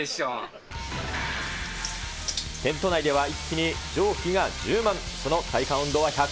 テント内では、一気に蒸気が充満。